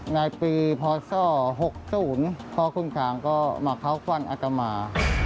ในปีพศหกศูนย์พ่อขุนช้างก็มาเข้าควันอัตตามา